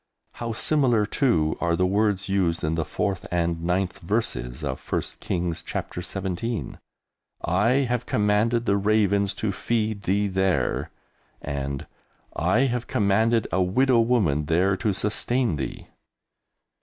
How similar, too, are the words used in the 4th and 9th verses of 1st Kings, Chapter 17: "I have commanded the ravens to feed thee there," and "I have commanded a widow woman there to sustain thee!"